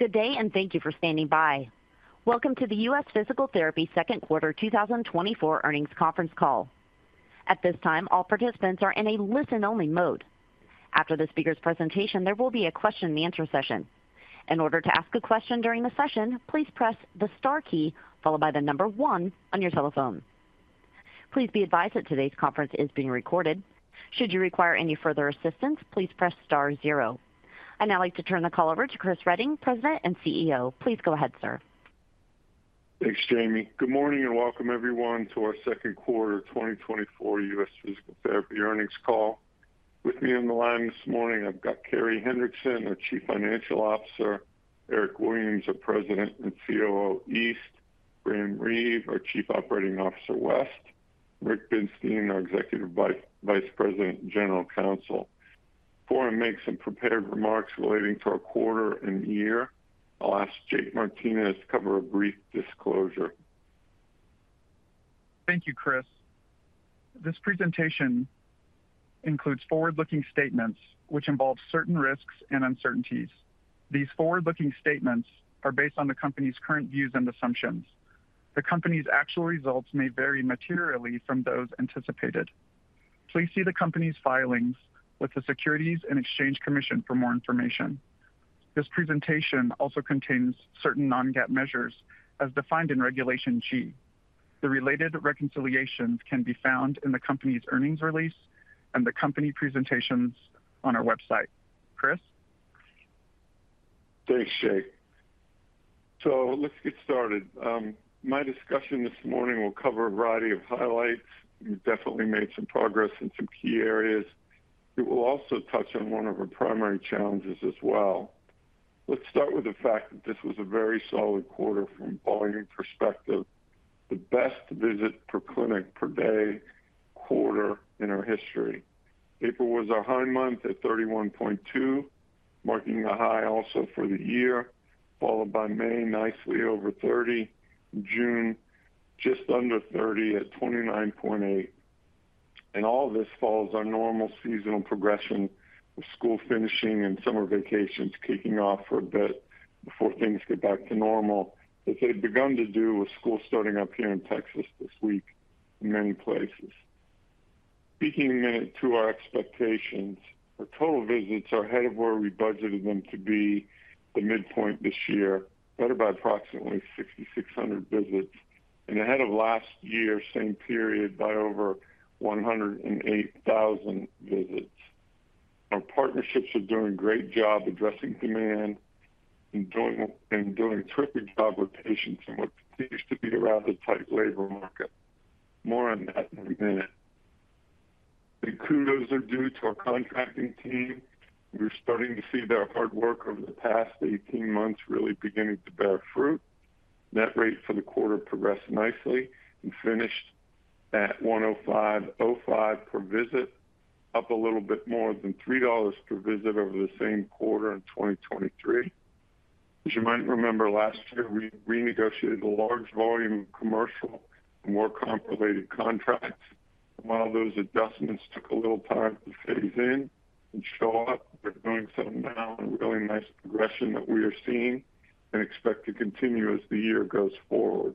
Good day, and thank you for standing by. Welcome to the U.S. Physical Therapy second quarter 2024 earnings conference call. At this time, all participants are in a listen-only mode. After the speaker's presentation, there will be a question and answer session. In order to ask a question during the session, please press the star key followed by the number one on your telephone. Please be advised that today's conference is being recorded. Should you require any further assistance, please press star zero. I'd now like to turn the call over to Chris Reading, President and CEO. Please go ahead, sir. Thanks, Jamie. Good morning, and welcome everyone to our second quarter 2024 U.S. Physical Therapy earnings call. With me on the line this morning, I've got Carey Hendrickson, our Chief Financial Officer, Eric Williams, our President and COO, East, Graham Reeve, our Chief Operating Officer, West, Rick Binstein, our Executive Vice President and General Counsel. Before I make some prepared remarks relating to our quarter and year, I'll ask Jake Martinez to cover a brief disclosure. Thank you, Chris. This presentation includes forward-looking statements which involve certain risks and uncertainties. These forward-looking statements are based on the company's current views and assumptions. The company's actual results may vary materially from those anticipated. Please see the company's filings with the Securities and Exchange Commission for more information. This presentation also contains certain Non-GAAP measures as defined in Regulation G. The related reconciliations can be found in the company's earnings release and the company presentations on our website. Chris? Thanks, Jake. So let's get started. My discussion this morning will cover a variety of highlights. We've definitely made some progress in some key areas. It will also touch on one of our primary challenges as well. Let's start with the fact that this was a very solid quarter from volume perspective, the best visit per clinic per day quarter in our history. April was our high month at 31.2, marking a high also for the year, followed by May, nicely over 30, June, just under 30 at 29.8. And all this follows our normal seasonal progression, with school finishing and summer vacations kicking off for a bit before things get back to normal, as they've begun to do with school starting up here in Texas this week in many places. Speaking then to our expectations, our total visits are ahead of where we budgeted them to be the midpoint this year, better by approximately 6,600 visits and ahead of last year, same period, by over 108,000 visits. Our partnerships are doing a great job addressing demand and doing, and doing a terrific job with patients in what continues to be a rather tight labor market. More on that in a minute. Big kudos are due to our contracting team. We're starting to see their hard work over the past 18 months really beginning to bear fruit. Net rate for the quarter progressed nicely and finished at $105.05 per visit, up a little bit more than $3 per visit over the same quarter in 2023. As you might remember, last year, we renegotiated a large volume of commercial and work comp-related contracts. While those adjustments took a little time to phase in and show up, they're doing so now in a really nice progression that we are seeing and expect to continue as the year goes forward.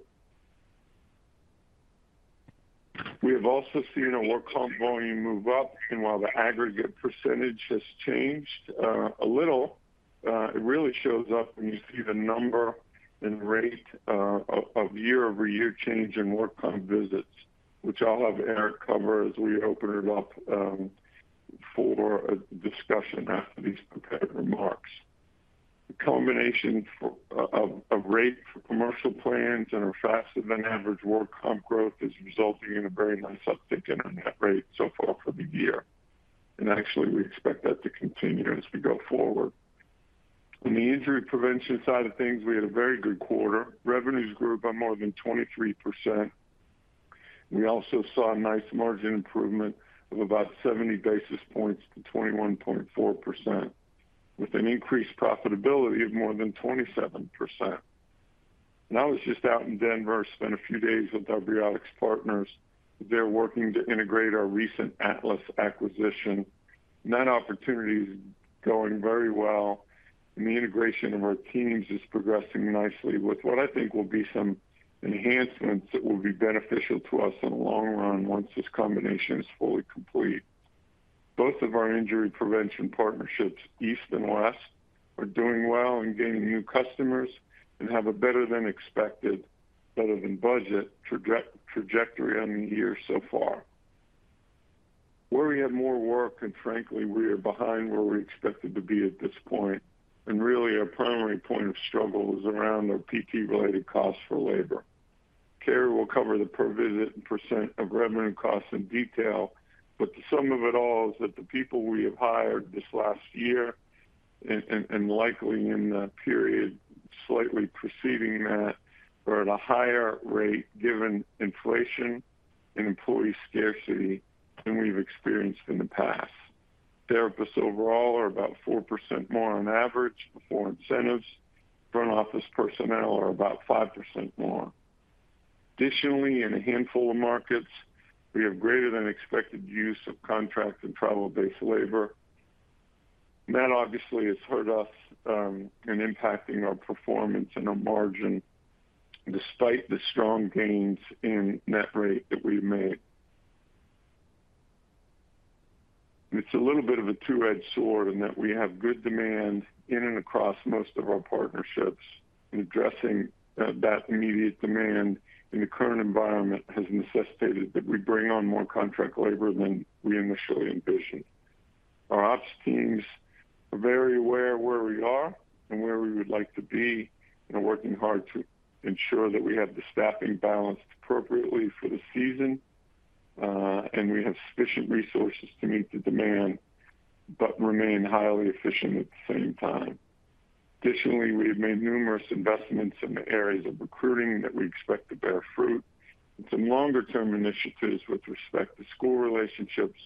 We have also seen our work comp volume move up, and while the aggregate percentage has changed a little, it really shows up when you see the number and rate of year-over-year change in work comp visits, which I'll have Eric cover as we open it up for a discussion after these prepared remarks. The combination of rate for commercial plans and our faster than average work comp growth is resulting in a very nice uptick in our net rate so far for the year. And actually, we expect that to continue as we go forward. On the injury prevention side of things, we had a very good quarter. Revenues grew by more than 23%. We also saw a nice margin improvement of about 70 basis points to 21.4%, with an increased profitability of more than 27%. And I was just out in Denver, spent a few days with our Briotix partners. They're working to integrate our recent Atlas acquisition. That opportunity is going very well, and the integration of our teams is progressing nicely with what I think will be some enhancements that will be beneficial to us in the long run once this combination is fully complete. Both of our injury prevention partnerships, East and West, are doing well in gaining new customers and have a better than expected, better than budget trajectory on the year so far. Where we have more work, and frankly, we are behind where we expected to be at this point, and really our primary point of struggle is around our PT-related costs for labor. Carey will cover the per visit and percent of revenue costs in detail, but the sum of it all is that the people we have hired this last year and likely in the period slightly preceding that are at a higher rate given inflation and employee scarcity than we've experienced in the past. Therapists overall are about 4% more on average before incentives. Front office personnel are about 5% more. Additionally, in a handful of markets, we have greater than expected use of contract and travel-based labor. That obviously has hurt us in impacting our performance and our margin, despite the strong gains in net rate that we've made. It's a little bit of a two-edged sword in that we have good demand in and across most of our partnerships, and addressing that immediate demand in the current environment has necessitated that we bring on more contract labor than we initially envisioned. Our ops teams are very aware of where we are and where we would like to be, and working hard to ensure that we have the staffing balanced appropriately for the season, and we have sufficient resources to meet the demand, but remain highly efficient at the same time. Additionally, we have made numerous investments in the areas of recruiting that we expect to bear fruit, and some longer term initiatives with respect to school relationships,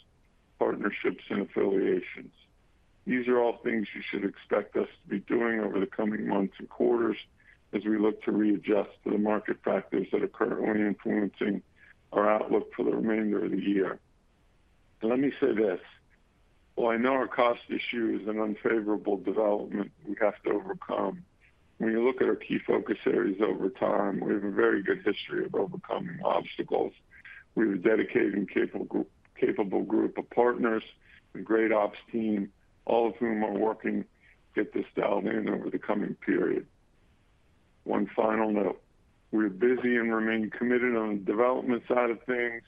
partnerships, and affiliations. These are all things you should expect us to be doing over the coming months and quarters as we look to readjust to the market factors that are currently influencing our outlook for the remainder of the year. Let me say this: while I know our cost issue is an unfavorable development we have to overcome, when you look at our key focus areas over time, we have a very good history of overcoming obstacles. We have a dedicated and capable group, capable group of partners and great ops team, all of whom are working to get this dialed in over the coming period. One final note: we're busy and remain committed on the development side of things.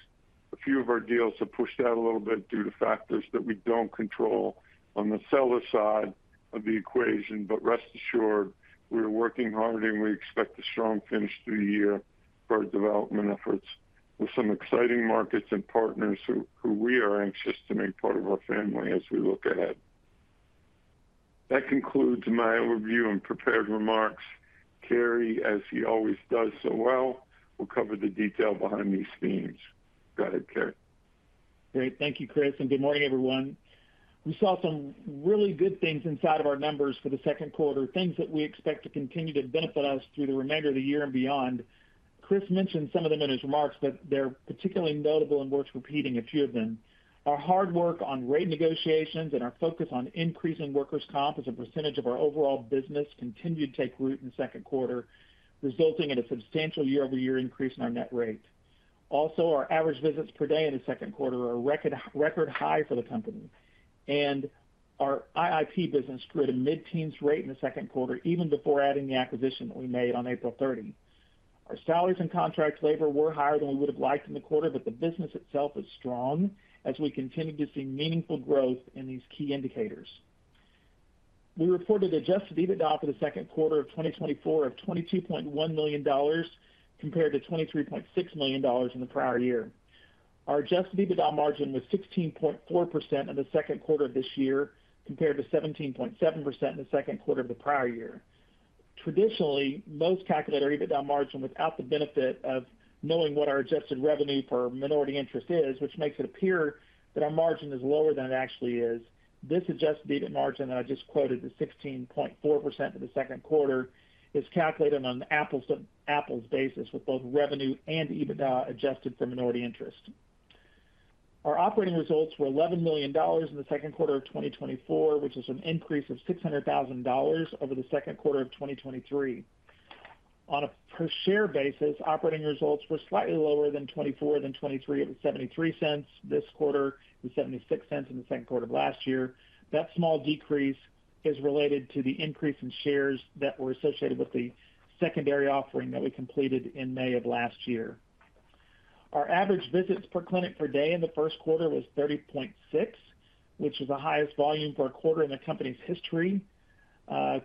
A few of our deals have pushed out a little bit due to factors that we don't control on the seller side of the equation, but rest assured, we are working hard and we expect a strong finish to the year for our development efforts with some exciting markets and partners who we are anxious to make part of our family as we look ahead. That concludes my overview and prepared remarks. Carey, as he always does so well, will cover the detail behind these themes. Go ahead, Carey. Great. Thank you, Chris, and good morning, everyone. We saw some really good things inside of our numbers for the second quarter, things that we expect to continue to benefit us through the remainder of the year and beyond. Chris mentioned some of them in his remarks, but they're particularly notable and worth repeating a few of them. Our hard work on rate negotiations and our focus on increasing workers' comp as a percentage of our overall business continued to take root in the second quarter, resulting in a substantial year-over-year increase in our net rate. Also, our average visits per day in the second quarter are a record, record high for the company, and our IIP business grew at a mid-teens rate in the second quarter, even before adding the acquisition that we made on April 30. Our salaries and contract labor were higher than we would have liked in the quarter, but the business itself is strong as we continue to see meaningful growth in these key indicators. We reported Adjusted EBITDA for the second quarter of 2024 of $22.1 million, compared to $23.6 million in the prior year. Our Adjusted EBITDA margin was 16.4% in the second quarter of this year, compared to 17.7% in the second quarter of the prior year. Traditionally, most calculate our EBITDA margin without the benefit of knowing what our adjusted revenue per minority interest is, which makes it appear that our margin is lower than it actually is. This Adjusted EBITDA margin that I just quoted, the 16.4% for the second quarter, is calculated on an apples to apples basis, with both revenue and EBITDA adjusted for minority interest. Our operating results were $11 million in the second quarter of 2024, which is an increase of $600,000 over the second quarter of 2023. On a per share basis, operating results were slightly lower than 2024 than 2023. It was $0.73 this quarter and $0.76 in the second quarter of last year. That small decrease is related to the increase in shares that were associated with the secondary offering that we completed in May of last year. Our average visits per clinic per day in the first quarter was 30.6, which is the highest volume for a quarter in the company's history.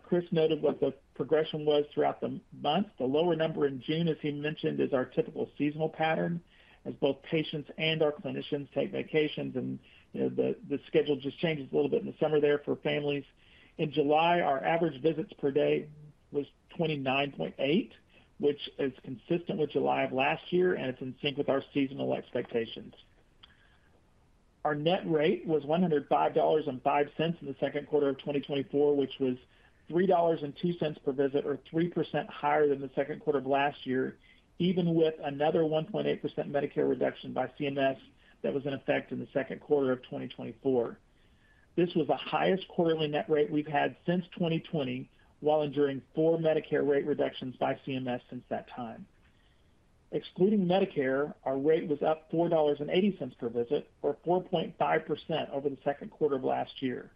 Chris noted what the progression was throughout the month. The lower number in June, as he mentioned, is our typical seasonal pattern, as both patients and our clinicians take vacations and, you know, the, the schedule just changes a little bit in the summer there for families. In July, our average visits per day was 29.8, which is consistent with July of last year, and it's in sync with our seasonal expectations. Our net rate was $105.05 in the second quarter of 2024, which was $3.02 per visit, or 3% higher than the second quarter of last year, even with another 1.8% Medicare reduction by CMS that was in effect in the second quarter of 2024. This was the highest quarterly net rate we've had since 2020, while enduring four Medicare rate reductions by CMS since that time. Excluding Medicare, our rate was up $4.80 per visit, or 4.5% over the second quarter of last year.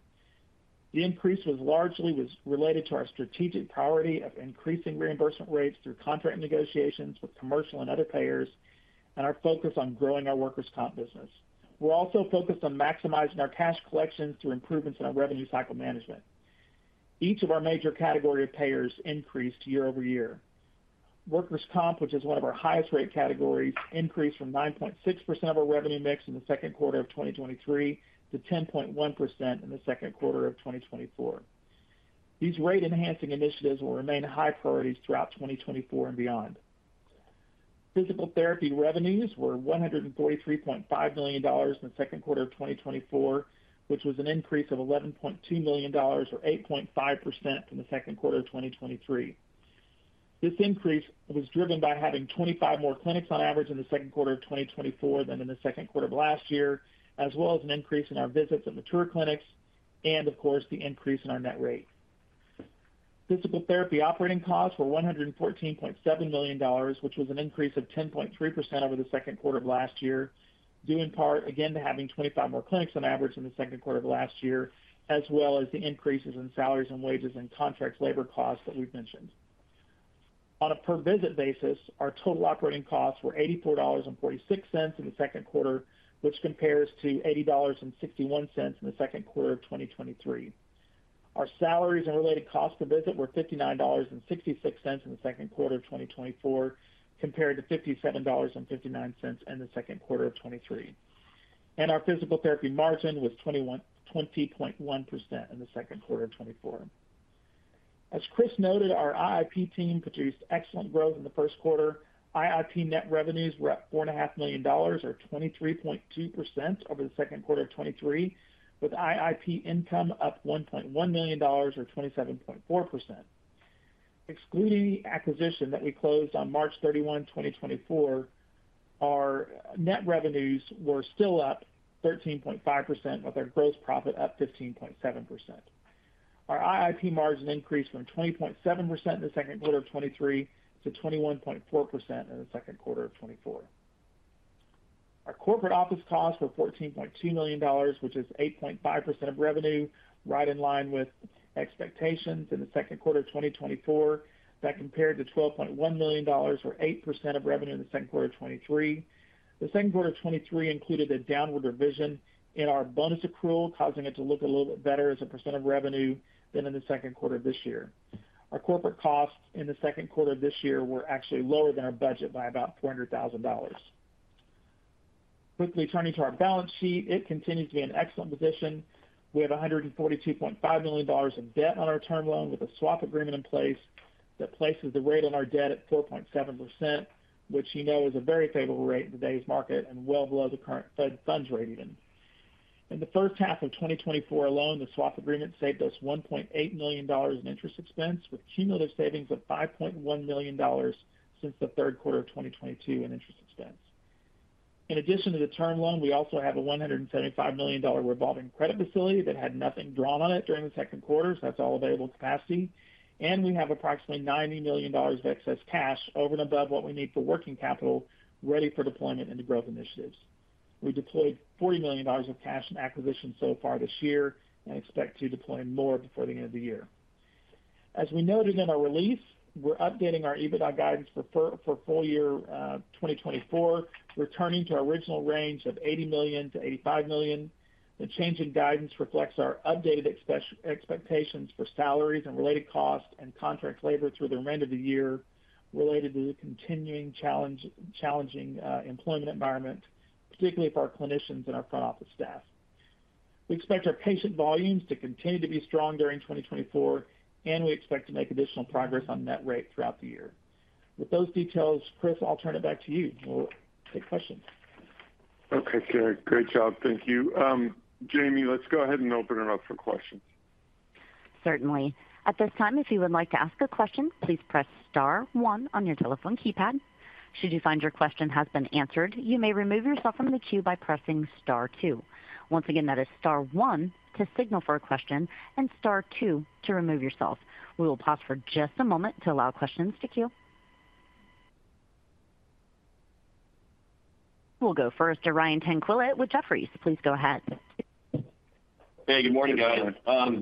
The increase was largely related to our strategic priority of increasing reimbursement rates through contract negotiations with commercial and other payers, and our focus on growing our workers' comp business. We're also focused on maximizing our cash collections through improvements in our revenue cycle management. Each of our major category of payers increased year-over-year. Workers' comp, which is one of our highest rate categories, increased from 9.6% of our revenue mix in the second quarter of 2023 to 10.1% in the second quarter of 2024. These rate-enhancing initiatives will remain high priorities throughout 2024 and beyond. Physical therapy revenues were $143.5 million in the second quarter of 2024, which was an increase of $11.2 million, or 8.5% from the second quarter of 2023. This increase was driven by having 25 more clinics on average in the second quarter of 2024 than in the second quarter of last year, as well as an increase in our visits at mature clinics and of course, the increase in our net rate. Physical therapy operating costs were $114.7 million, which was an increase of 10.3% over the second quarter of last year, due in part again, to having 25 more clinics on average in the second quarter of last year, as well as the increases in salaries and wages and contract labor costs that we've mentioned. On a per visit basis, our total operating costs were $84.46 in the second quarter, which compares to $80.61 in the second quarter of 2023. Our salaries and related costs per visit were $59.66 in the second quarter of 2024, compared to $57.59 in the second quarter of 2023. Our physical therapy margin was 20.1% in the second quarter of 2024. As Chris noted, our IIP team produced excellent growth in the first quarter. IIP net revenues were at $4.5 million, or 23.2% over the second quarter of 2023, with IIP income up $1.1 million or 27.4%. Excluding the acquisition that we closed on March 31, 2024, our net revenues were still up 13.5%, with our gross profit up 15.7%. Our IIP margin increased from 20.7% in the second quarter of 2023 to 21.4% in the second quarter of 2024. Our corporate office costs were $14.2 million, which is 8.5% of revenue, right in line with expectations in the second quarter of 2024. That compared to $12.1 million, or 8% of revenue in the second quarter of 2023. The second quarter of 2023 included a downward revision in our bonus accrual, causing it to look a little bit better as a percent of revenue than in the second quarter of this year. Our corporate costs in the second quarter of this year were actually lower than our budget by about $400,000. Quickly turning to our balance sheet, it continues to be in excellent position. We have $142.5 million in debt on our term loan, with a swap agreement in place that places the rate on our debt at 4.7%, which you know is a very favorable rate in today's market and well below the current Fed funds rate even. In the first half of 2024 alone, the swap agreement saved us $1.8 million in interest expense, with cumulative savings of $5.1 million since the third quarter of 2022 in interest expense. In addition to the term loan, we also have a $175 million revolving credit facility that had nothing drawn on it during the second quarter. That's all available capacity. We have approximately $90 million of excess cash over and above what we need for working capital, ready for deployment into growth initiatives. We deployed $40 million of cash and acquisition so far this year and expect to deploy more before the end of the year. As we noted in our release, we're updating our EBITDA guidance for full year 2024, returning to our original range of $80 million-$85 million. The change in guidance reflects our updated expectations for salaries and related costs and contract labor through the remainder of the year, related to the continuing challenging employment environment, particularly for our clinicians and our front office staff. We expect our patient volumes to continue to be strong during 2024, and we expect to make additional progress on net rate throughout the year. With those details, Chris, I'll turn it back to you. We'll take questions. Okay, Carey, great job. Thank you. Jamie, let's go ahead and open it up for questions. Certainly. At this time, if you would like to ask a question, please press star one on your telephone keypad. Should you find your question has been answered, you may remove yourself from the queue by pressing star two. Once again, that is star one to signal for a question and star two to remove yourself. We will pause for just a moment to allow questions to queue. We'll go first to Brian Tanquilut with Jefferies. Please go ahead. Hey, good morning, guys. Good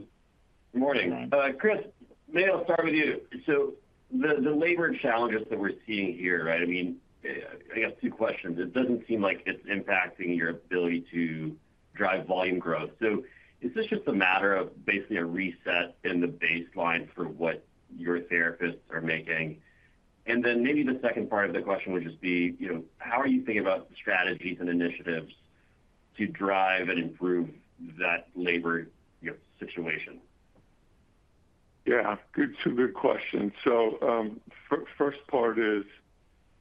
morning. Chris, maybe I'll start with you. So the labor challenges that we're seeing here, right? I mean, I guess two questions. It doesn't seem like it's impacting your ability to drive volume growth. So is this just a matter of basically a reset in the baseline for what your therapists are making? And then maybe the second part of the question would just be: You know, how are you thinking about strategies and initiatives to drive and improve that labor, you know, situation? Yeah, good, two good questions. So, first part is,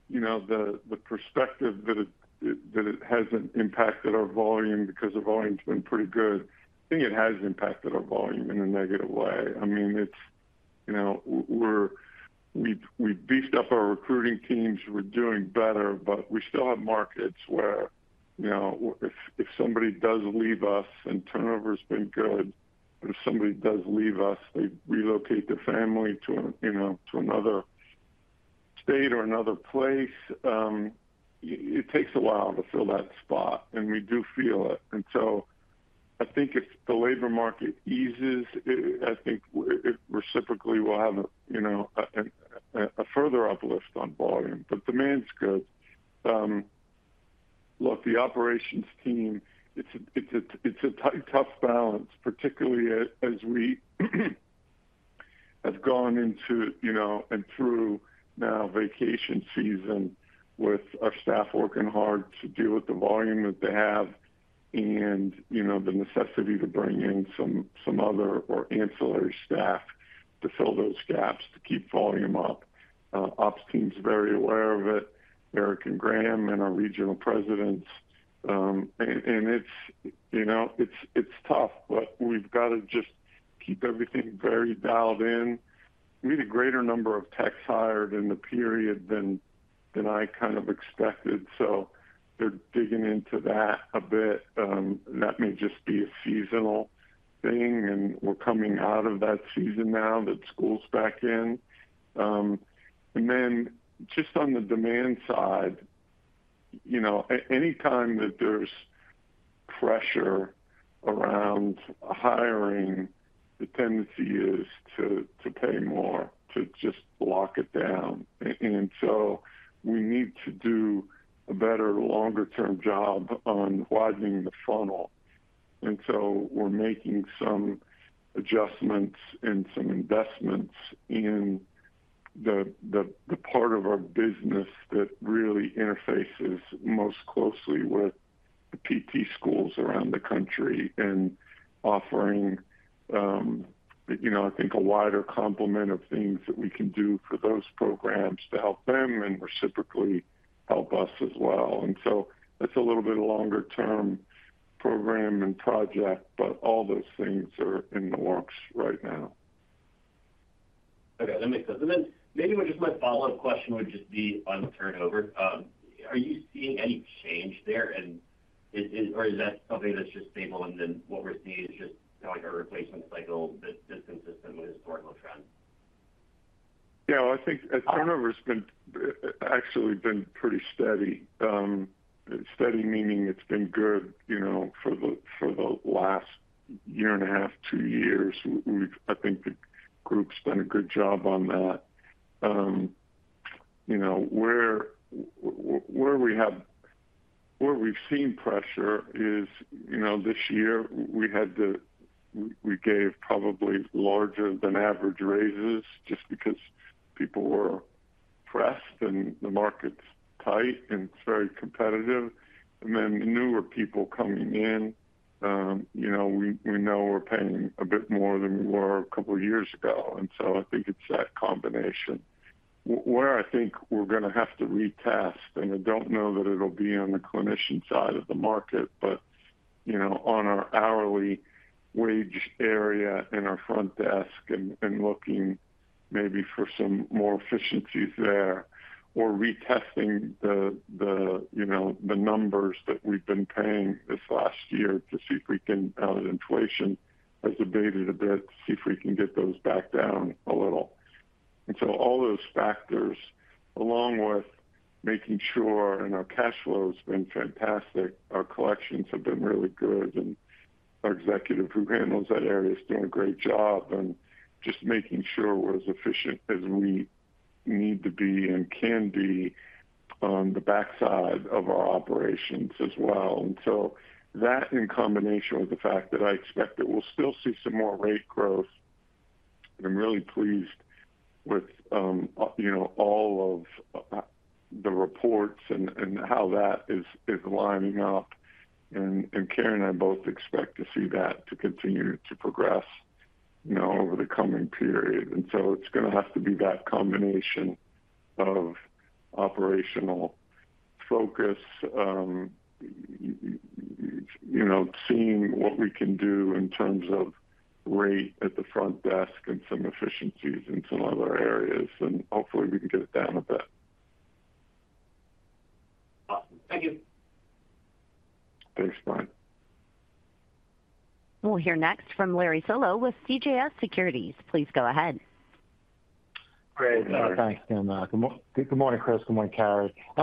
you know, the, the perspective that it, that it hasn't impacted our volume because the volume's been pretty good. I think it has impacted our volume in a negative way. I mean, it's... You know, we're, we beefed up our recruiting teams. We're doing better, but we still have markets where, you know, if, if somebody does leave us and turnover has been good, if somebody does leave us, they relocate their family to, you know, to another state or another place, it takes a while to fill that spot, and we do feel it. And so I think if the labor market eases, I think it reciprocally will have a, you know, a, a, a further uplift on volume. But demand is good. Look, the operations team, it's a tough balance, particularly as we have gone into, you know, and through now vacation season, with our staff working hard to deal with the volume that they have and, you know, the necessity to bring in some other or ancillary staff to fill those gaps to keep volume up. Ops team's very aware of it, Eric and Graham and our regional presidents. And it's, you know, tough, but we've got to just keep everything very dialed in. We had a greater number of techs hired in the period than I kind of expected, so they're digging into that a bit. That may just be a seasonal thing, and we're coming out of that season now that school's back in. And then just on the demand side, you know, anytime that there's pressure around hiring, the tendency is to pay more, to just lock it down. And so we need to do a better longer-term job on widening the funnel. And so we're making some adjustments and some investments in the part of our business that really interfaces most closely with the PT schools around the country and offering, you know, I think a wider complement of things that we can do for those programs to help them and reciprocally help us as well. And so that's a little bit longer-term program and project, but all those things are in the works right now. Okay, that makes sense. And then maybe just my follow-up question would just be on turnover. Are you seeing any change there, and is... Or is that something that's just stable, and then what we're seeing is just kind of like a replacement cycle that's consistent with historical trends? Yeah, I think as turnover, it's been actually been pretty steady. Steady meaning it's been good, you know, for the last year and a half, two years. We've I think the group's done a good job on that. You know, where we've seen pressure is, you know, this year we gave probably larger than average raises just because people were pressed, and the market's tight, and it's very competitive. And then the newer people coming in, you know, we know we're paying a bit more than we were a couple of years ago, and so I think it's that combination. Where I think we're going to have to retest, and I don't know that it'll be on the clinician side of the market, but, you know, on our hourly wage area in our front desk and looking maybe for some more efficiencies there, or retesting the you know, the numbers that we've been paying this last year to see if we can, now that inflation has abated a bit, to see if we can get those back down a little. And so all those factors, along with making sure, and our cash flow's been fantastic, our collections have been really good, and our executive who handles that area is doing a great job and just making sure we're as efficient as we need to be and can be on the backside of our operations as well. And so that, in combination with the fact that I expect that we'll still see some more rate growth, I'm really pleased with, you know, all of, the reports and, and how that is lining up. And Carey and I both expect to see that to continue to progress, you know, over the coming period. And so it's gonna have to be that combination of operational focus, you know, seeing what we can do in terms of rate at the front desk and some efficiencies in some other areas, and hopefully, we can get it down a bit. Awesome. Thank you. Thanks, Brian. We'll hear next from Larry Solow with CJS Securities. Please go ahead. Great. Thanks, Kim. Good morning, Chris. Good morning, Carey. I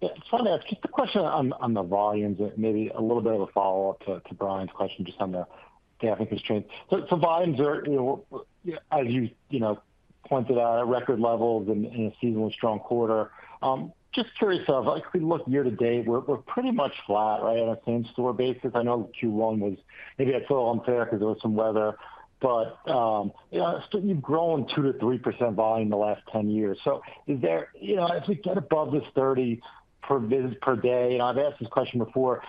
just wanted to ask just a question on the volumes and maybe a little bit of a follow-up to Brian's question just on the staffing constraints. So for volumes, they're, you know, as you, you know, pointed out, at record levels in a seasonally strong quarter. Just curious of, like, if we look year to date, we're, we're pretty much flat, right, on a same-store basis. I know Q1 was maybe it's a little unfair because there was some weather, but, you know, so you've grown 2%-3% volume in the last 10 years. So is there... You know, as we get above this 30 per visit per day, and I've asked this question before,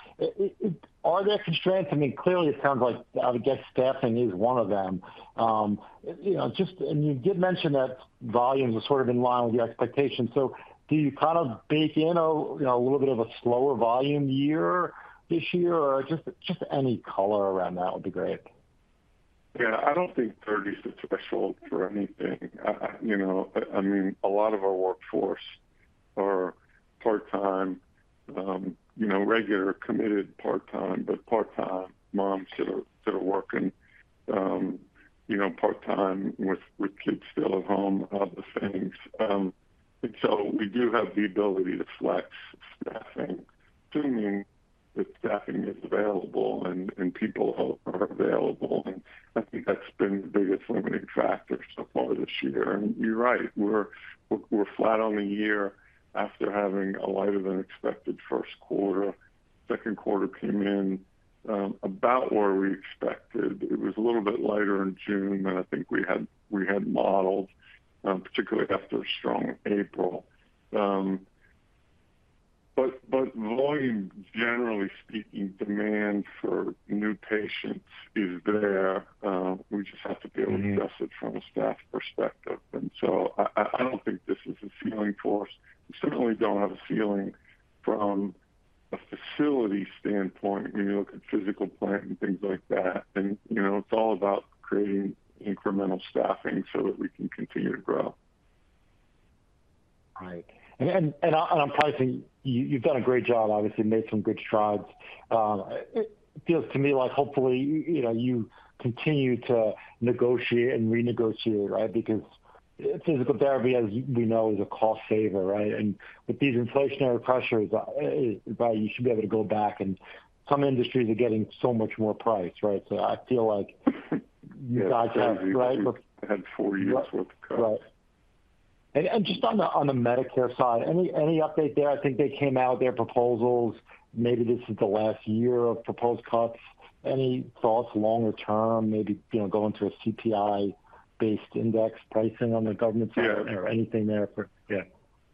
are there constraints? I mean, clearly, it sounds like, I would guess staffing is one of them. You know, just, and you did mention that volumes are sort of in line with your expectations. So do you kind of bake in a, you know, a little bit of a slower volume year this year, or just, just any color around that would be great? Yeah, I don't think 30 is the threshold for anything. You know, I mean, a lot of our workforce are part-time, you know, regular, committed part-time, but part-time, moms that are working, you know, part-time with kids still at home, other things. And so we do have the ability to flex staffing, assuming that staffing is available and people are available, and I think that's been the biggest limiting factor so far this year. And you're right, we're flat on the year after having a lighter than expected first quarter. Second quarter came in about where we expected. It was a little bit lighter in June than I think we had modeled, particularly after a strong April. But volume, generally speaking, demand for new patients is there. We just have to be able-... to adjust it from a staff perspective. And so I don't think this is a ceiling for us. We certainly don't have a ceiling from... a facility standpoint, when you look at physical plant and things like that, and, you know, it's all about creating incremental staffing so that we can continue to grow. Right. And I'm pricing. You've done a great job, obviously made some good strides. It feels to me like hopefully, you know, you continue to negotiate and renegotiate, right? Because physical therapy, as we know, is a cost saver, right? And with these inflationary pressures, you should be able to go back, and some industries are getting so much more price, right? So I feel like you guys have, right? Had 4 years worth of cuts. Right. And just on the Medicare side, any update there? I think they came out with their proposals. Maybe this is the last year of proposed cuts. Any thoughts longer term, maybe, you know, going to a CPI-based index pricing on the government side? Yeah. Anything there... Yeah.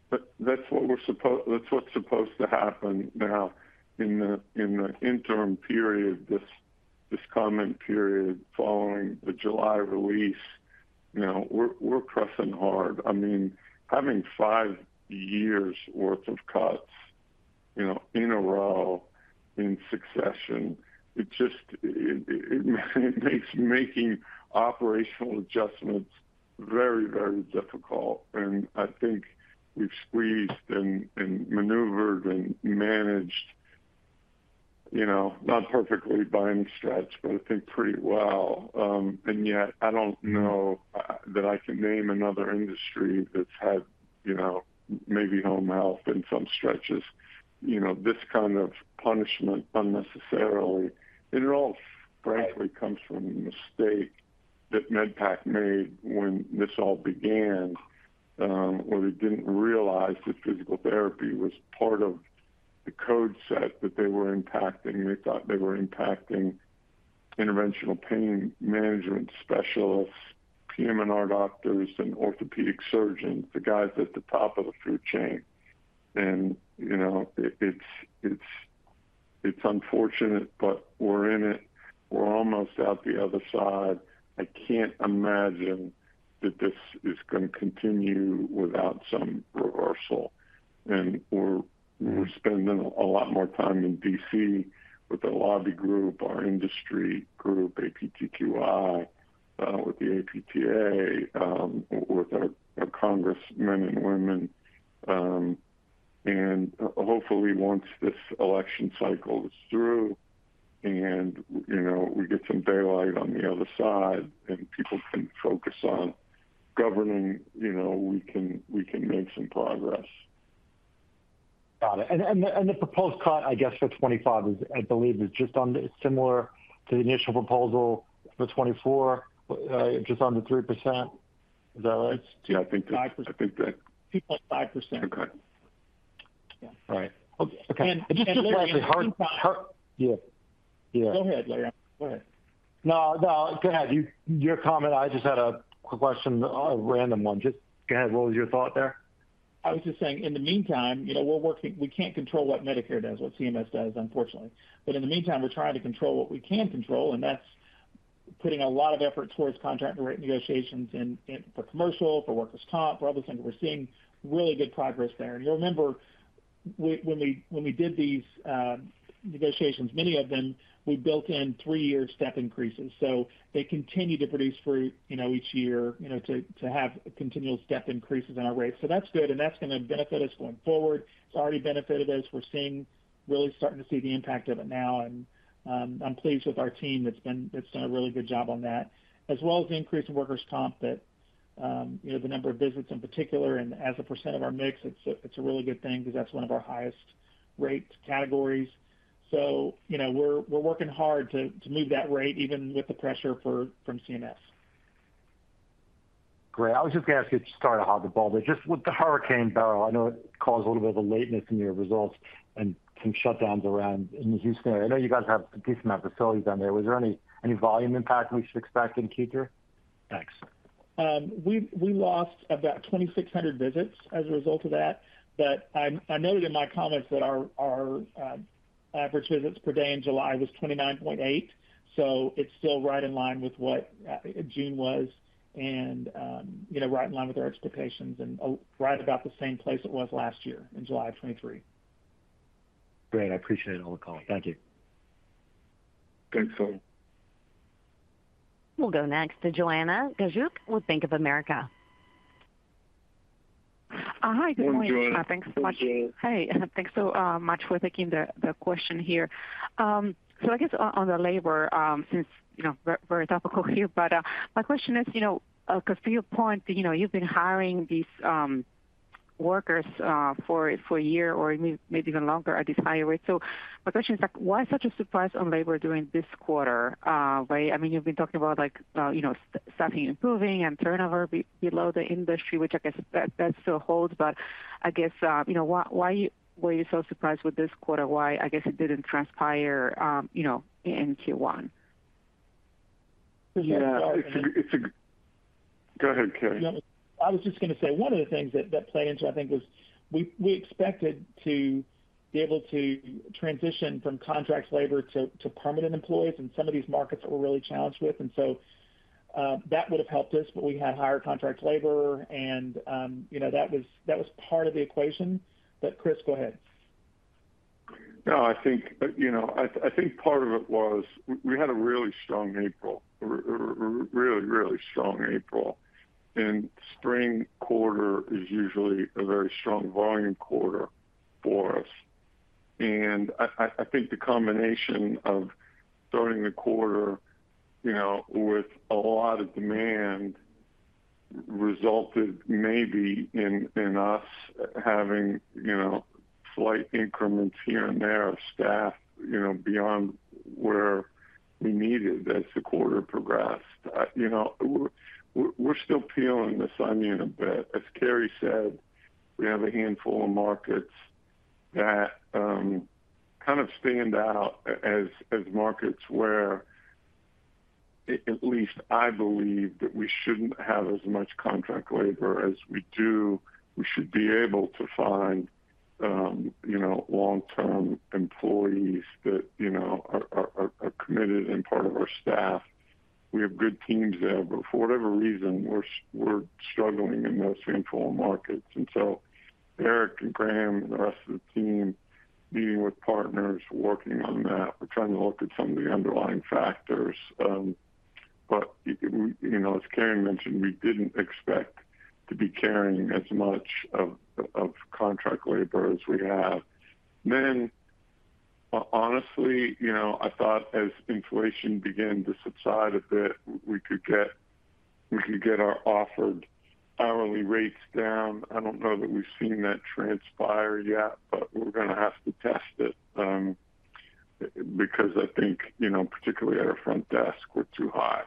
But that's what we're supposed-- That's what's supposed to happen now in the, in the interim period, this, this comment period following the July release. You know, we're, we're pressing hard. I mean, having five years' worth of cuts, you know, in a row, in succession, it just, it, it makes making operational adjustments very, very difficult. And I think we've squeezed and, and maneuvered and managed, you know, not perfectly by any stretch, but I think pretty well. And yet, I don't know that I can name another industry that's had, you know, maybe home health in some stretches, you know, this kind of punishment unnecessarily. It all frankly comes from a mistake that MedPAC made when this all began, where they didn't realize that physical therapy was part of the code set that they were impacting. They thought they were impacting interventional pain management specialists, PM&R doctors, and orthopedic surgeons, the guys at the top of the food chain. And, you know, it's unfortunate, but we're in it. We're almost out the other side. I can't imagine that this is going to continue without some reversal. And we're spending a lot more time in D.C. with the lobby group, our industry group, APTQI, with the APTA, with our congressmen and women. And hopefully, once this election cycle is through and, you know, we get some daylight on the other side and people can focus on governing, you know, we can make some progress. Got it. And the proposed cut, I guess, for 2025 is, I believe, just on the, similar to the initial proposal for 2024, just under 3%. Is that right? Yeah, I think that. Five percent. I think that. 2.5%. Okay. Yeah. All right. Okay. And just lastly, hard- Yeah. Yeah. Go ahead, Larry. Go ahead. No, no, go ahead. You, your comment. I just had a quick question, a random one. Just go ahead. What was your thought there? I was just saying, in the meantime, you know, we're working, we can't control what Medicare does, what CMS does, unfortunately. But in the meantime, we're trying to control what we can control, and that's putting a lot of effort towards contract rate negotiations in for commercial, for workers' comp, for other things. We're seeing really good progress there. And you'll remember, when we did these negotiations, many of them, we built in three-year step increases, so they continue to produce fruit, you know, each year, you know, to have continual step increases in our rates. So that's good, and that's going to benefit us going forward. It's already benefited us. We're seeing, really starting to see the impact of it now, and I'm pleased with our team that's done a really good job on that, as well as the increase in workers' comp, that you know, the number of visits in particular, and as a percent of our mix, it's a really good thing because that's one of our highest rate categories. So, you know, we're working hard to move that rate, even with the pressure from CMS. Great. I was just going to ask you to start to hog the ball, but just with the Hurricane Beryl, I know it caused a little bit of a lateness in your results and some shutdowns around in the Houston area. I know you guys have a decent amount of facilities down there. Was there any volume impact we should expect in the future? Thanks. We lost about 2,600 visits as a result of that, but I noted in my comments that our average visits per day in July was 29.8, so it's still right in line with what June was and, you know, right in line with our expectations and right about the same place it was last year, in July of 2023. Great. I appreciate all the color. Thank you. Thanks, all. We'll go next to Joanna Gajuk with Bank of America. Hi, good morning, everyone. Good morning. Thanks so much. Hey, thanks so much for taking the question here. So I guess on the labor, since, you know, very topical here, but my question is, you know, because to your point, you know, you've been hiring these workers for a year or maybe even longer at this higher rate. So my question is, like, why such a surprise on labor during this quarter? Right, I mean, you've been talking about, like, you know, staffing improving and turnover below the industry, which I guess that still holds, but I guess, you know, why were you so surprised with this quarter? Why, I guess it didn't transpire, you know, in Q1? Yeah... Go ahead, Carey. I was just going to say one of the things that play into, I think, is we expected to be able to transition from contract labor to permanent employees in some of these markets that we're really challenged with. And so, that would have helped us, but we had higher contract labor and, you know, that was part of the equation. But Chris, go ahead. No, I think, you know, I think part of it was we had a really strong April. A really, really strong April. And spring quarter is usually a very strong volume quarter for us. And I think the combination of starting the quarter, you know, with a lot of demand resulted maybe in us having, you know, slight increments here and there of staff, you know, beyond where we needed as the quarter progressed. You know, we're still peeling this onion a bit. As Carey said, we have a handful of markets that kind of stand out as markets where at least I believe that we shouldn't have as much contract labor as we do. We should be able to find, you know, long-term employees that, you know, are committed and part of our staff. We have good teams there, but for whatever reason, we're struggling in those handful of markets. And so Eric and Graham and the rest of the team, meeting with partners, working on that. We're trying to look at some of the underlying factors. But, you know, as Carey mentioned, we didn't expect to be carrying as much of contract labor as we have. Then, honestly, you know, I thought as inflation began to subside a bit, we could get our offered hourly rates down. I don't know that we've seen that transpire yet, but we're gonna have to test it, because I think, you know, particularly at our front desk, we're too high.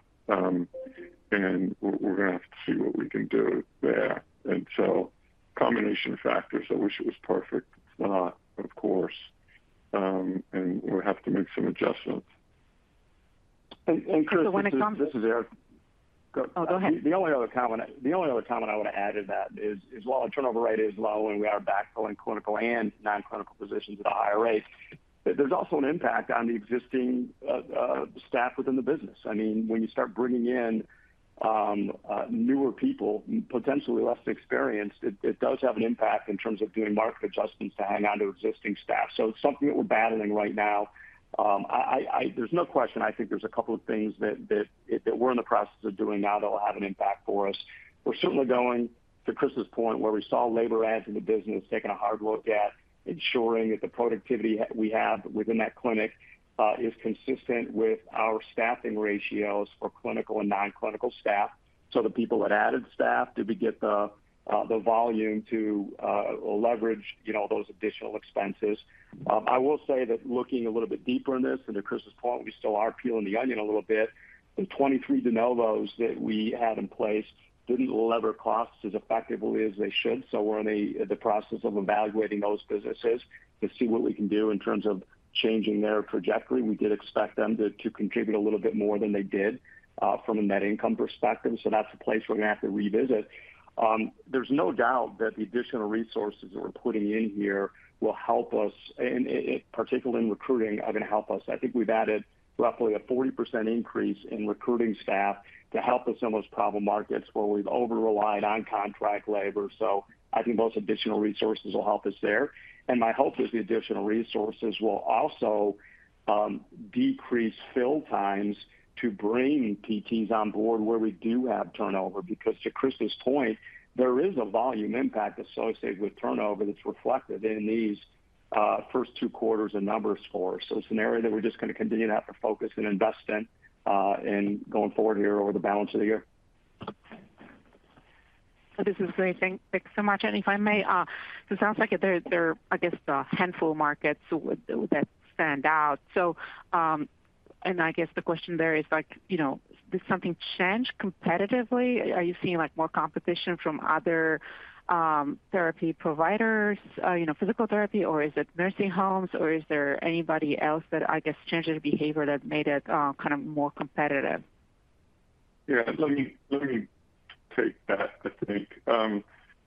And we're gonna have to see what we can do there. And so combination of factors, I wish it was perfect. It's not, of course, and we have to make some adjustments. Chris, this is Eric. Oh, go ahead. The only other comment I would add to that is, while our turnover rate is low and we are backfilling clinical and nonclinical positions at a high rate, there's also an impact on the existing staff within the business. I mean, when you start bringing in newer people, potentially less experienced, it does have an impact in terms of doing market adjustments to hang on to existing staff. So it's something that we're battling right now. There's no question, I think there's a couple of things that we're in the process of doing now that will have an impact for us. We're certainly going, to Chris's point, where we saw labor adds in the business, taking a hard look at ensuring that the productivity we have within that clinic is consistent with our staffing ratios for clinical and non-clinical staff. So the people that added staff, did we get the volume to leverage, you know, those additional expenses? I will say that looking a little bit deeper in this, and to Chris's point, we still are peeling the onion a little bit. The 23 de novos that we had in place didn't lever costs as effectively as they should, so we're in the process of evaluating those businesses to see what we can do in terms of changing their trajectory. We did expect them to, to contribute a little bit more than they did from a net income perspective, so that's a place we're gonna have to revisit. There's no doubt that the additional resources that we're putting in here will help us, and particularly in recruiting, are gonna help us. I think we've added roughly a 40% increase in recruiting staff to help us in those problem markets where we've over-relied on contract labor. So I think those additional resources will help us there. And my hope is the additional resources will also decrease fill times to bring PTs on board where we do have turnover, because to Chris's point, there is a volume impact associated with turnover that's reflected in these first two quarters of numbers for us. It's an area that we're just gonna continue to have to focus and invest in, and going forward here over the balance of the year. This is great. Thanks, thanks so much. And if I may, it sounds like there are, I guess, a handful of markets that would stand out. So, and I guess the question there is like, you know, did something change competitively? Are you seeing, like, more competition from other therapy providers, you know, physical therapy, or is it nursing homes, or is there anybody else that, I guess, changed their behavior that made it kind of more competitive? Yeah, let me, let me take that, I think.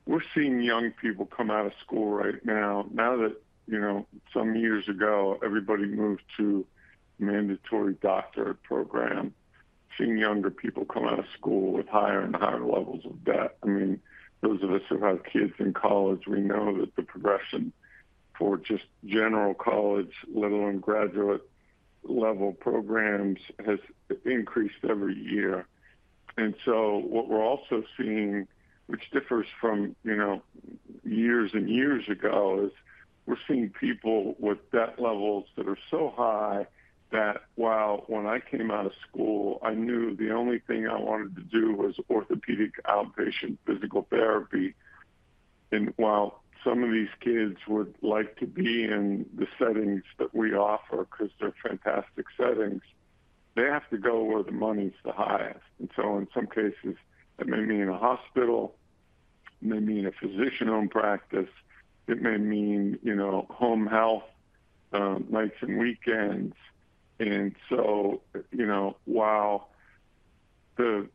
We're seeing young people come out of school right now. Now that, you know, some years ago, everybody moved to mandatory doctorate program, seeing younger people come out of school with higher and higher levels of debt. I mean, those of us who have kids in college, we know that the progression for just general college, let alone graduate-level programs, has increased every year. And so what we're also seeing, which differs from, you know, years and years ago, is we're seeing people with debt levels that are so high that while when I came out of school, I knew the only thing I wanted to do was orthopedic outpatient physical therapy. And while some of these kids would like to be in the settings that we offer, because they're fantastic settings, they have to go where the money's the highest. And so in some cases, it may mean a hospital, it may mean a physician-owned practice, it may mean, you know, home health, nights and weekends. And so, you know, while the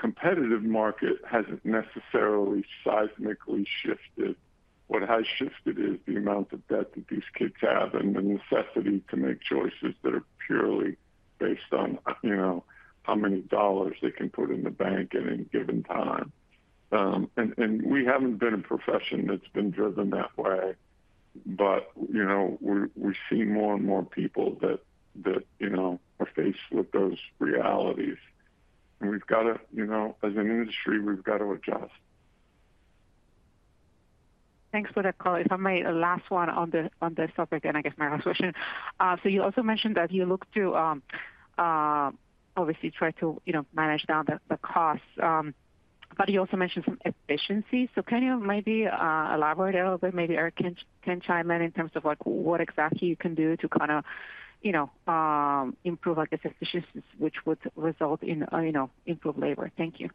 competitive market hasn't necessarily seismically shifted. What has shifted is the amount of debt that these kids have and the necessity to make choices that are purely based on, you know, how many dollars they can put in the bank at any given time. And we haven't been a profession that's been driven that way, but, you know, we're seeing more and more people that, you know, are faced with those realities. We've got to, you know, as an industry, we've got to adjust. Thanks for that, color. If I may, last one on this topic, and I guess my last question. So you also mentioned that you look to obviously try to, you know, manage down the costs, but you also mentioned some efficiencies. So can you maybe elaborate a little bit, maybe Eric can chime in, in terms of, like, what exactly you can do to kind of, you know, improve, like, the efficiencies, which would result in, you know, improved labor? Thank you.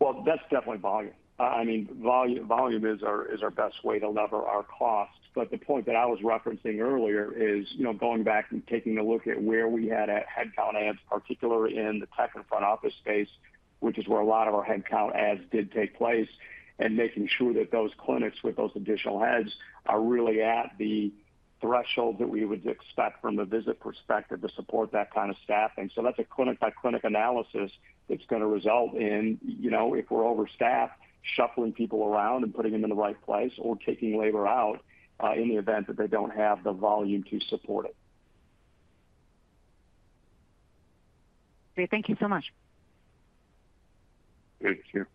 Well, that's definitely volume. I mean, volume, volume is our, is our best way to leverage our costs. But the point that I was referencing earlier is, you know, going back and taking a look at where we had headcount adds, particularly in the tech and front office space, which is where a lot of our headcount adds did take place, and making sure that those clinics with those additional heads are really at the threshold that we would expect from a visit perspective to support that kind of staffing. So that's a clinic-by-clinic analysis that's going to result in, you know, if we're overstaffed, shuffling people around and putting them in the right place, or taking labor out, in the event that they don't have the volume to support it. Great. Thank you so much. Thank you.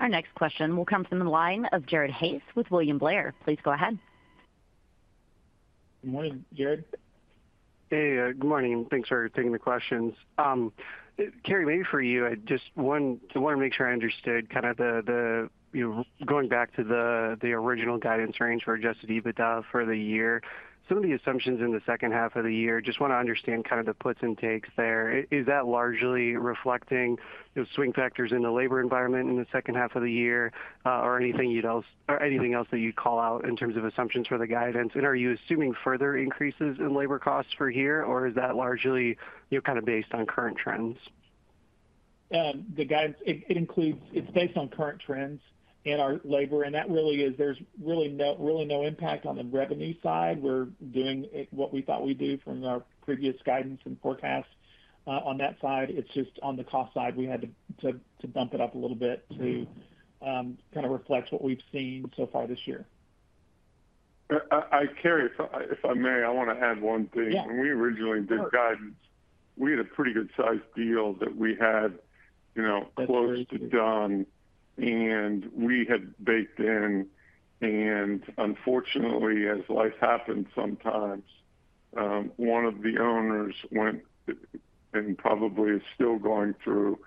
Our next question will come from the line of Jared Haase with William Blair. Please go ahead. Good morning, Jared. Hey, good morning, and thanks for taking the questions. Carey, maybe for you, I just want to make sure I understood kind of the, you know, going back to the original guidance range for Adjusted EBITDA for the year, some of the assumptions in the second half of the year, just want to understand kind of the puts and takes there. Is that largely reflecting those swing factors in the labor environment in the second half of the year, or anything else that you'd call out in terms of assumptions for the guidance? And are you assuming further increases in labor costs for here, or is that largely, you know, kind of based on current trends? The guidance, it includes. It's based on current trends in our labor, and that really is. There's really no impact on the revenue side. We're doing what we thought we'd do from our previous guidance and forecast on that side. It's just on the cost side, we had to bump it up a little bit to kind of reflect what we've seen so far this year. Carey, if I may, I want to add one thing. Yeah. When we originally did guidance, we had a pretty good-sized deal that we had, you know, close to done, and we had baked in, and unfortunately, as life happens sometimes, one of the owners went and probably is still going through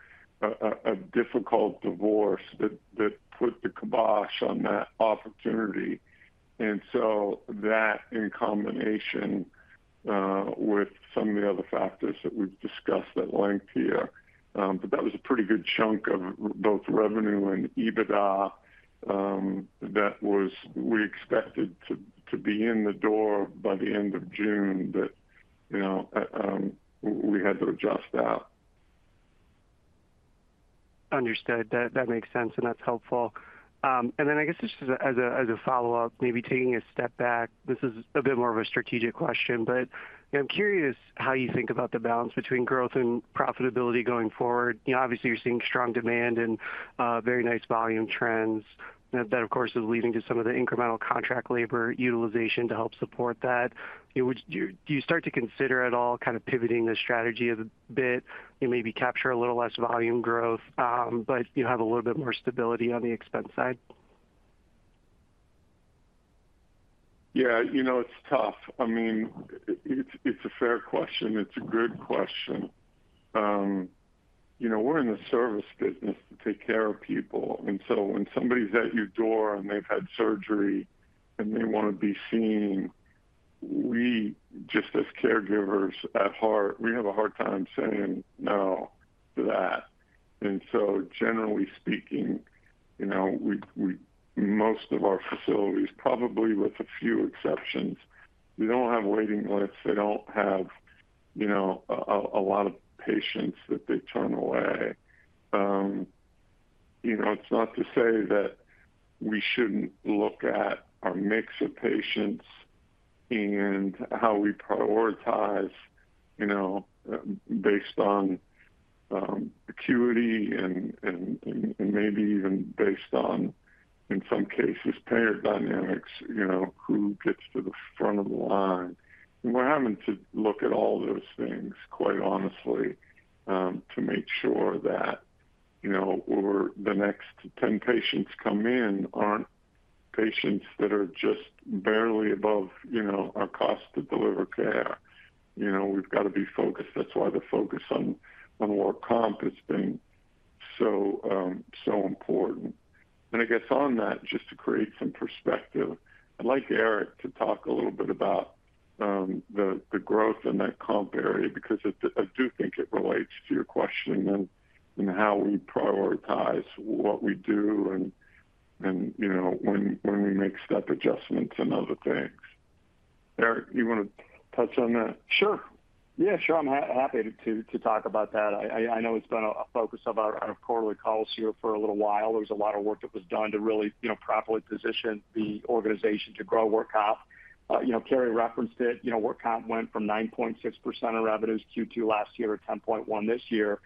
a difficult divorce that put the kibosh on that opportunity. And so that, in combination with some of the other factors that we've discussed at length here, but that was a pretty good chunk of both revenue and EBITDA that we expected to be in the door by the end of June, but, you know, we had to adjust that. Understood. That makes sense, and that's helpful. And then I guess just as a follow-up, maybe taking a step back, this is a bit more of a strategic question, but, you know, I'm curious how you think about the balance between growth and profitability going forward. You know, obviously, you're seeing strong demand and very nice volume trends. That, of course, is leading to some of the incremental contract labor utilization to help support that. Would you, do you start to consider at all kind of pivoting the strategy a bit and maybe capture a little less volume growth, but you have a little bit more stability on the expense side? Yeah, you know, it's tough. I mean, it's a fair question. It's a good question. You know, we're in the service business to take care of people, and so when somebody's at your door, and they've had surgery, and they want to be seen, we just, as caregivers at heart, we have a hard time saying no to that. And so generally speaking, you know, most of our facilities, probably with a few exceptions, we don't have waiting lists. They don't have, you know, a lot of patients that they turn away. You know, it's not to say that we shouldn't look at our mix of patients and how we prioritize, you know, based on acuity and maybe even based on, in some cases, payer dynamics, you know, who gets to the front of the line. And we're having to look at all those things, quite honestly, to make sure that, you know, over the next 10 patients come in, aren't patients that are just barely above, you know, our cost to deliver care. You know, we've got to be focused. That's why the focus on more comp has been so important. And I guess on that, just to create some perspective, I'd like Eric to talk a little bit about the growth in that comp area, because I do think it relates to your question and how we prioritize what we do and, you know, when we make step adjustments and other things. Eric, you want to touch on that? Sure. Yeah, sure. I'm happy to talk about that. I know it's been a focus of our quarterly calls here for a little while. There was a lot of work that was done to really, you know, properly position the organization to grow work comp. You know, Carey referenced it, you know, work comp went from 9.6% of revenues Q2 last year to 10.1% this year.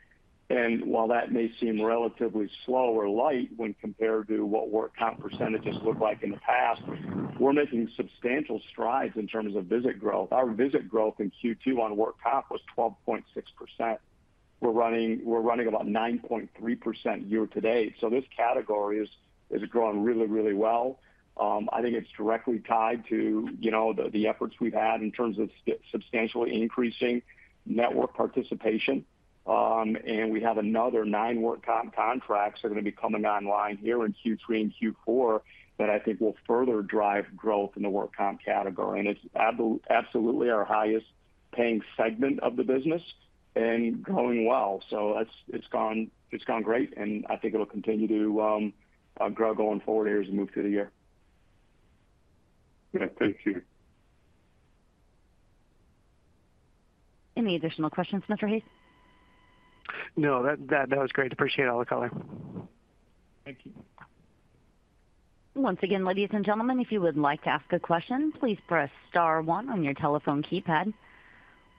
And while that may seem relatively slow or light when compared to what work comp percentages looked like in the past, we're making substantial strides in terms of visit growth. Our visit growth in Q2 on work comp was 12.6%. We're running about 9.3% year to date, so this category is growing really, really well. I think it's directly tied to, you know, the, the efforts we've had in terms of substantially increasing network participation. And we have another nine work comp contracts that are going to be coming online here in Q3 and Q4, that I think will further drive growth in the work comp category. And it's absolutely our highest paying segment of the business and growing well. So it's, it's gone, it's gone great, and I think it'll continue to grow going forward as we move through the year. Yeah. Thank you. Any additional questions, Mr. Haase? No, that, that was great. Appreciate all the color. Thank you. Once again, ladies and gentlemen, if you would like to ask a question, please press star one on your telephone keypad.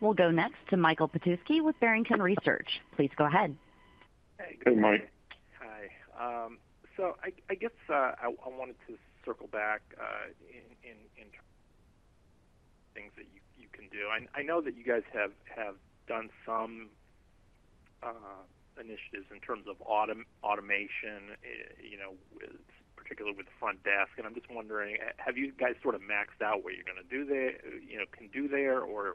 We'll go next to Michael Petusky with Barrington Research. Please go ahead. Hey, Mike. Hi. So I guess I wanted to circle back in terms of things that you can do. I know that you guys have done some initiatives in terms of automation, you know, particularly with the front desk, and I'm just wondering, have you guys sort of maxed out what you're going to do there, you know, can do there? Or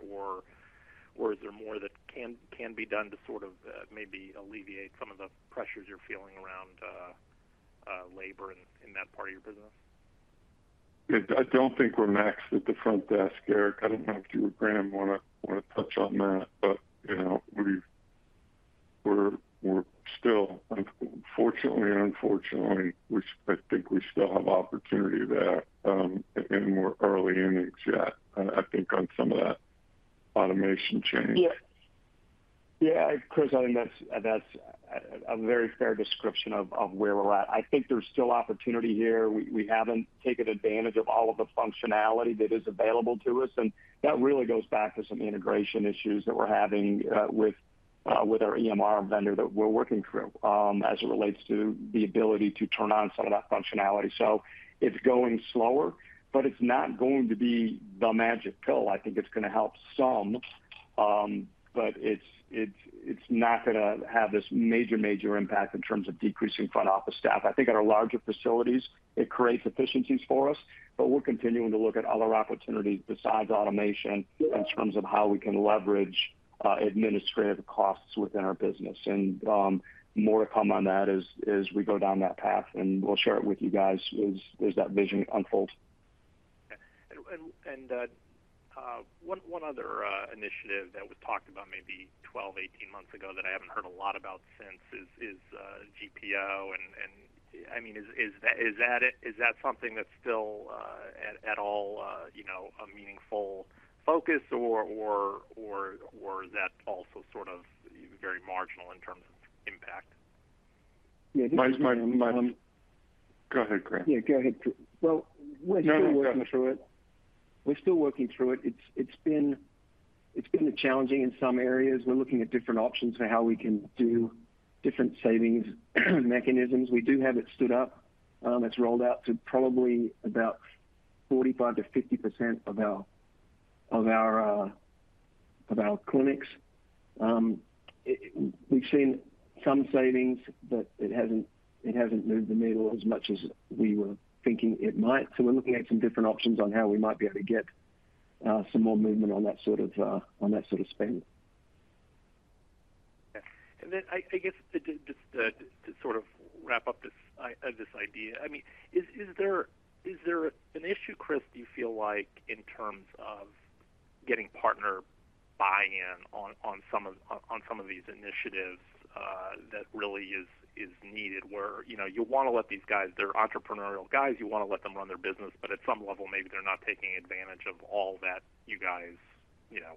is there more that can be done to sort of maybe alleviate some of the pressures you're feeling around labor in that part of your business? Yeah, I don't think we're maxed at the front desk, Eric. I don't know if you or Graham want to touch on that, but, you know, we're still, fortunately and unfortunately, I think we still have opportunity there, and we're early innings yet, I think on some of that automation change. Yeah. Yeah, Chris, I think that's, that's a, a very fair description of, of where we're at. I think there's still opportunity here. We, we haven't taken advantage of all of the functionality that is available to us, and that really goes back to some integration issues that we're having with our EMR vendor that we're working through as it relates to the ability to turn on some of that functionality. So it's going slower, but it's not going to be the magic pill. I think it's going to help some, but it's, it's, it's not gonna have this major, major impact in terms of decreasing front office staff. I think at our larger facilities, it creates efficiencies for us, but we're continuing to look at other opportunities besides automation- Yeah... in terms of how we can leverage administrative costs within our business. And, more to come on that as we go down that path, and we'll share it with you guys as that vision unfolds. Okay. And one other initiative that was talked about maybe 12, 18 months ago that I haven't heard a lot about since is GPO. And I mean, is that it? Is that something that's still at all, you know, a meaningful focus or is that also sort of very marginal in terms of impact? Yeah. Mike, Mike, Mike. Go ahead, Graham. Yeah, go ahead, Graham. Well, we're still- No, no, go ahead.... working through it. We're still working through it. It's been challenging in some areas. We're looking at different options for how we can do different savings mechanisms. We do have it stood up. It's rolled out to probably about 45%-50% of our clinics. We've seen some savings, but it hasn't moved the needle as much as we were thinking it might. So we're looking at some different options on how we might be able to get some more movement on that sort of spend. Okay. And then I guess just to sort of wrap up this idea, I mean, is there an issue, Chris, do you feel like, in terms of getting partner buy-in on some of these initiatives that really is needed? Where, you know, you want to let these guys... they're entrepreneurial guys, you want to let them run their business, but at some level, maybe they're not taking advantage of all that you guys, you know,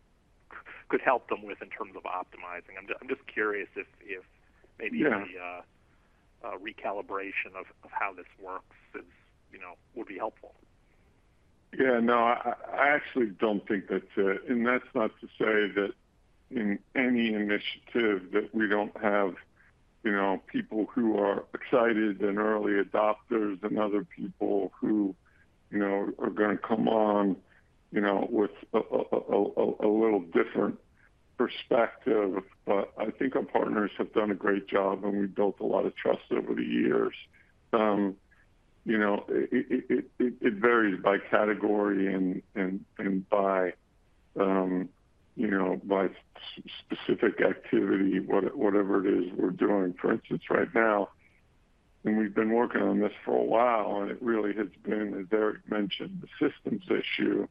could help them with in terms of optimizing. I'm just curious if maybe- Yeah... the recalibration of how this works is, you know, would be helpful. Yeah, no, I actually don't think that. And that's not to say that in any initiative that we don't have, you know, people who are excited and early adopters, and other people who, you know, are going to come on, you know, with a little different perspective, but I think our partners have done a great job, and we've built a lot of trust over the years. You know, it varies by category and by, you know, by specific activity, whatever it is we're doing. For instance, right now, and we've been working on this for a while, and it really has been, as Eric mentioned, a systems issue,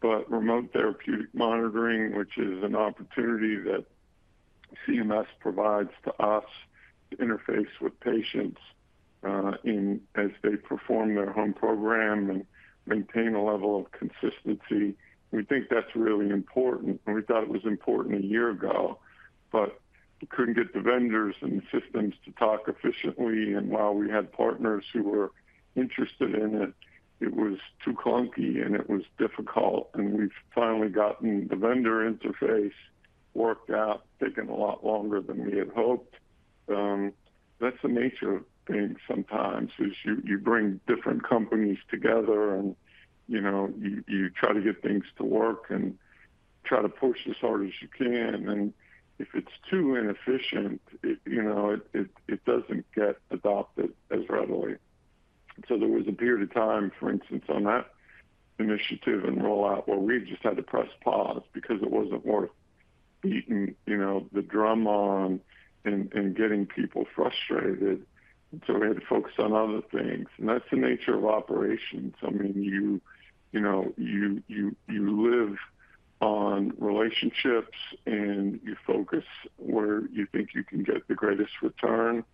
but remote therapeutic monitoring, which is an opportunity that-... CMS provides to us to interface with patients in as they perform their home program and maintain a level of consistency. We think that's really important, and we thought it was important a year ago, but we couldn't get the vendors and the systems to talk efficiently, and while we had partners who were interested in it, it was too clunky, and it was difficult. And we've finally gotten the vendor interface worked out, taken a lot longer than we had hoped. That's the nature of things sometimes, is you bring different companies together and, you know, you try to get things to work and try to push as hard as you can, and if it's too inefficient, it, you know, it doesn't get adopted as readily. So there was a period of time, for instance, on that initiative and rollout, where we just had to press pause because it wasn't worth beating, you know, the drum on and getting people frustrated. So we had to focus on other things, and that's the nature of operations. I mean, you know, you live on relationships, and you focus where you think you can get the greatest return.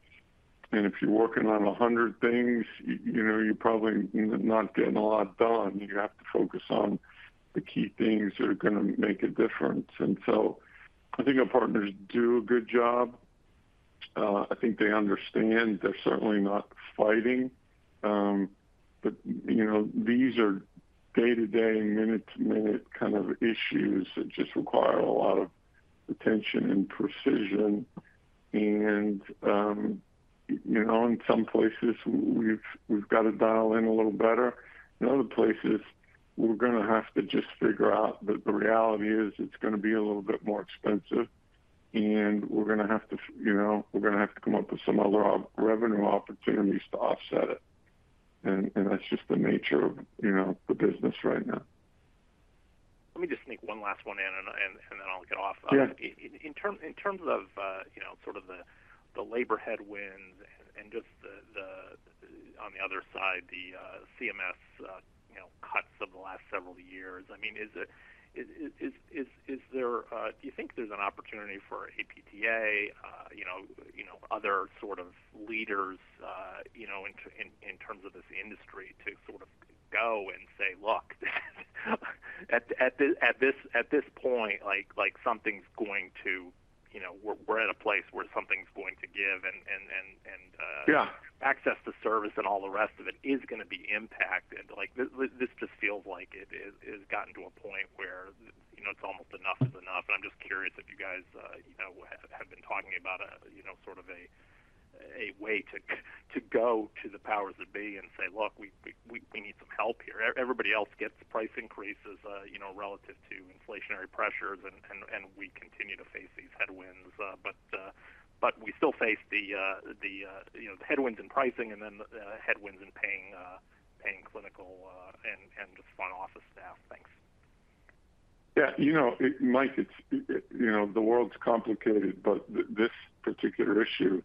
And if you're working on 100 things, you know, you're probably not getting a lot done. You have to focus on the key things that are gonna make a difference. And so I think our partners do a good job. I think they understand. They're certainly not fighting. But, you know, these are day-to-day and minute-to-minute kind of issues that just require a lot of attention and precision, and, you know, in some places, we've got to dial in a little better. In other places, we're gonna have to just figure out that the reality is it's gonna be a little bit more expensive, and we're gonna have to, you know, come up with some other revenue opportunities to offset it. And that's just the nature of, you know, the business right now. Let me just sneak one last one in, and then I'll get off. Yeah. In terms of, you know, sort of the labor headwinds and just the, on the other side, the CMS, you know, cuts of the last several years, I mean, is there, do you think there's an opportunity for APTA, you know, other sort of leaders, you know, in terms of this industry, to sort of go and say, "Look, at this point, like, something's going to... You know, we're at a place where something's going to give," and, Yeah... access to service and all the rest of it is gonna be impacted? Like, this just feels like it's gotten to a point where, you know, it's almost enough is enough. And I'm just curious if you guys, you know, have been talking about a, you know, sort of a way to go to the powers that be and say, "Look, we need some help here. Everybody else gets price increases, you know, relative to inflationary pressures, and we continue to face these headwinds." But we still face the headwinds in pricing and then headwinds in paying clinical and front office staff. Thanks. Yeah, you know, Mike, it's, you know, the world's complicated, but this particular issue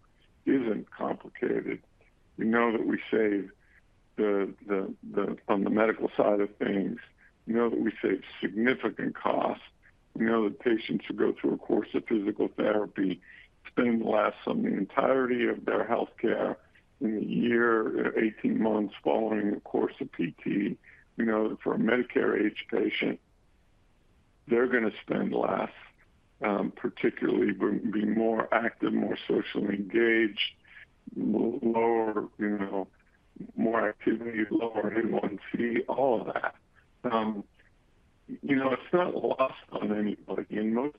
isn't complicated. We know that we save on the medical side of things, we know that we save significant costs. We know that patients who go through a course of physical therapy spend less on the entirety of their healthcare in the year, 18 months following a course of PT. We know that for a Medicare-age patient, they're gonna spend less, particularly be more active, more socially engaged, you know, more activity, lower A1C, all of that. You know, it's not lost on anybody. In most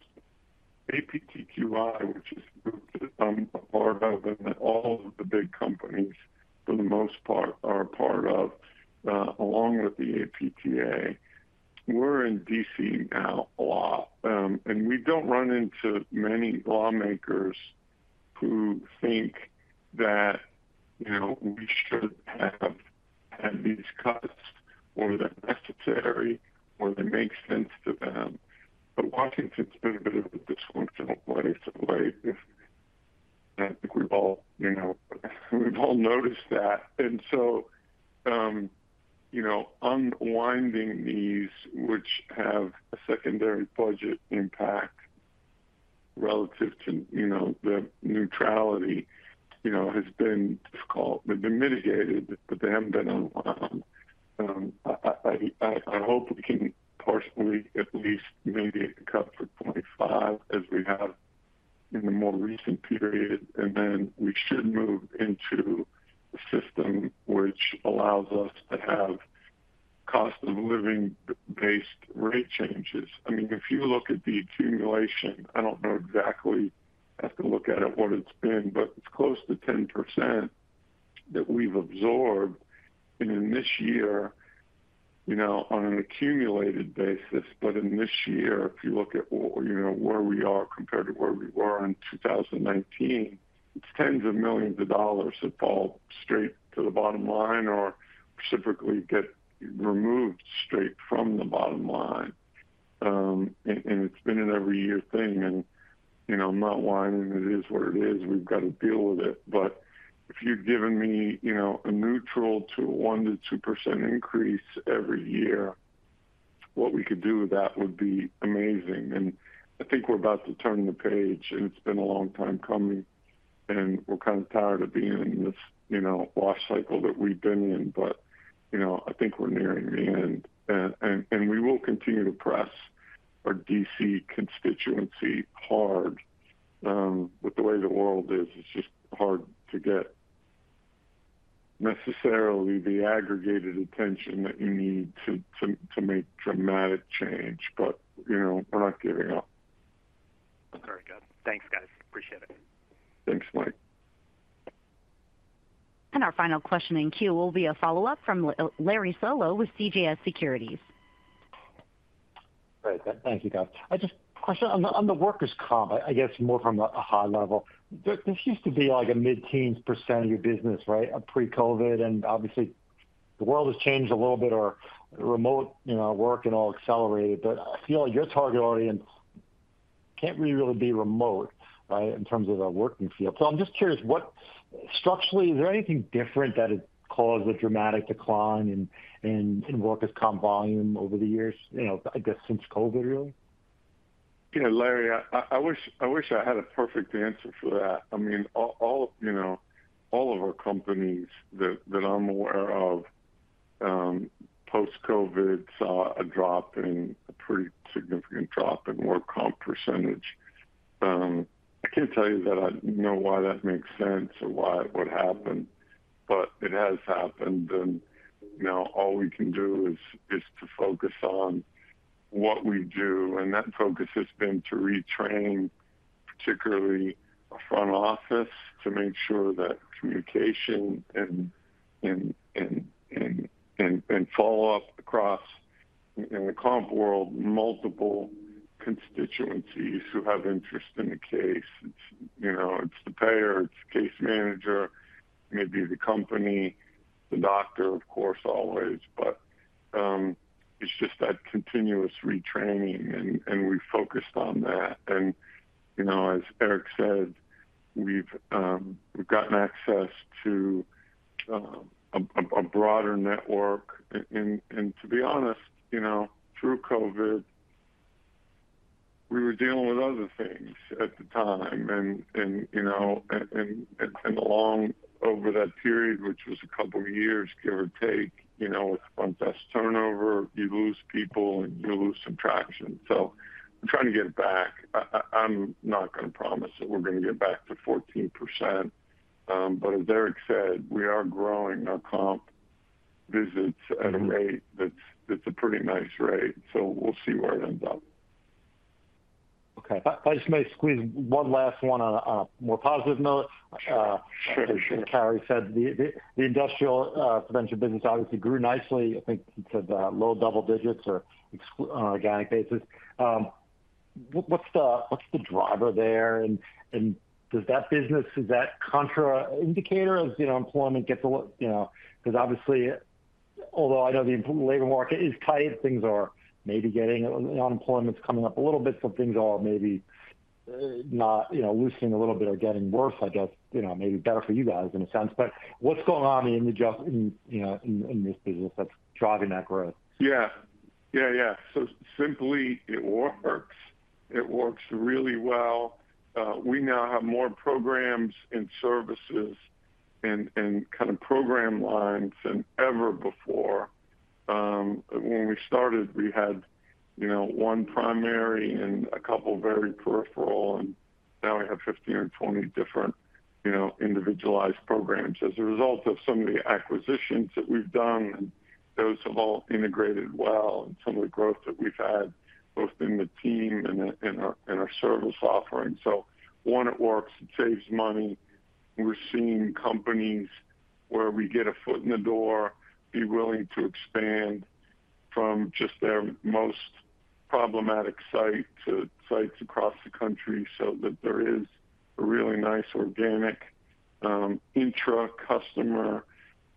APTQI, which is a group that I'm a part of, and all of the big companies, for the most part, are a part of, along with the APTA, we're in D.C. now a lot. And we don't run into many lawmakers who think that, you know, we should have had these cuts or they're necessary or they make sense to them. But Washington's been a bit of a dysfunctional place of late, and I think we've all, you know, we've all noticed that. And so, you know, unwinding these, which have a secondary budget impact relative to, you know, the neutrality, you know, has been difficult. They've been mitigated, but they haven't been unwound. I hope we can partially at least mitigate the cut for 2025, as we have in the more recent period, and then we should move into a system which allows us to have cost-of-living-based rate changes. I mean, if you look at the accumulation, I don't know exactly, I have to look at it, what it's been, but it's close to 10% that we've absorbed. And in this year, you know, on an accumulated basis, but in this year, if you look at, you know, where we are compared to where we were in 2019, it's $10s of millions that fall straight to the bottom line or specifically get removed straight from the bottom line. And it's been an every year thing, and, you know, I'm not whining. It is what it is. We've got to deal with it. But if you'd given me, you know, a neutral to a 1%-2% increase every year... what we could do with that would be amazing. And I think we're about to turn the page, and it's been a long time coming, and we're kind of tired of being in this, you know, wash cycle that we've been in. But, you know, I think we're nearing the end, and we will continue to press our D.C. constituency hard. With the way the world is, it's just hard to get necessarily the aggregated attention that you need to make dramatic change, but, you know, we're not giving up. Very good. Thanks, guys. Appreciate it. Thanks, Mike. Our final question in queue will be a follow-up from Larry Solow with CJS Securities. Great. Thank you, guys. I just... question on the workers' comp, I guess more from a high level. This used to be like a mid-teens percentage of your business, right? Pre-COVID, and obviously, the world has changed a little bit, or remote, you know, work and all accelerated. But I feel like your target audience can't really be remote, right, in terms of the working field. So I'm just curious, what structurally is there anything different that has caused a dramatic decline in workers' comp volume over the years, you know, I guess since COVID, really? You know, Larry, I wish I had a perfect answer for that. I mean, you know, all of our companies that I'm aware of, post-COVID, saw a drop in a pretty significant drop in work comp percentage. I can't tell you that I know why that makes sense or why it would happen, but it has happened, and you know, all we can do is to focus on what we do, and that focus has been to retrain, particularly our front office, to make sure that communication and follow-up across in the comp world, multiple constituencies who have interest in the case. It's, you know, it's the payer, it's the case manager, maybe the company, the doctor, of course, always. But it's just that continuous retraining, and we've focused on that. And, you know, as Eric said, we've gotten access to a broader network. And to be honest, you know, through COVID, we were dealing with other things at the time, and, you know, all over that period, which was a couple of years, give or take, you know, with constant turnover, you lose people, and you lose some traction. So we're trying to get back. I'm not gonna promise that we're gonna get back to 14%, but as Eric said, we are growing our comp visits at a rate that's a pretty nice rate, so we'll see where it ends up. Okay. If I just may squeeze one last one on a more positive note. Sure. Sure, sure. Carey said the industrial prevention business obviously grew nicely, I think you said, low double digits or excl- on an organic basis. What's the driver there, and does that business, is that contra indicator as, you know, employment gets a little, you know? Because obviously, although I know the labor market is tight, things are maybe getting. Unemployment's coming up a little bit, so things are maybe not, you know, loosening a little bit or getting worse, I guess, you know, maybe better for you guys in a sense. But what's going on in the job, you know, in this business that's driving that growth? Yeah. Yeah, yeah. So simply, it works. It works really well. We now have more programs and services and, and kind of program lines than ever before. When we started, we had, you know, one primary and a couple very peripheral, and now we have 15 or 20 different, you know, individualized programs. As a result of some of the acquisitions that we've done, and those have all integrated well, and some of the growth that we've had, both in the team and in our, in our service offering. So one, it works, it saves money. We're seeing companies where we get a foot in the door, be willing to expand from just their most problematic site to sites across the country, so that there is a really nice organic, intra-customer,